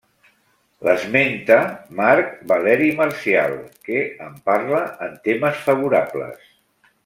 L'esmenta Marc Valeri Marcial que en parla en termes favorables.